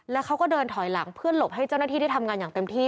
แล้วเขาก็เดินถอยหลังเพื่อหลบให้เจ้าหน้าที่ได้ทำงานอย่างเต็มที่